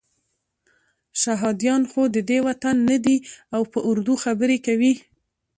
شهادیان خو ددې وطن نه دي او په اردو خبرې کوي.